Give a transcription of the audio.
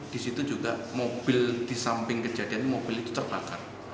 di situ juga mobil di samping kejadian mobil itu terbakar